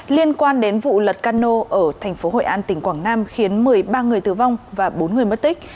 liên quan đến vụ lật cano ở thành phố hội an tỉnh quảng nam khiến một mươi ba người tử vong và bốn người mất tích